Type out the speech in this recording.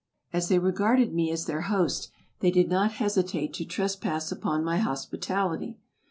As they regarded me as their host, they did not hesitate to trespass upon my hospitality.